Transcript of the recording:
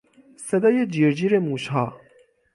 صدای جیر جیر موشها